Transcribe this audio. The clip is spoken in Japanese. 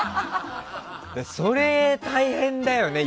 それは大変だよね。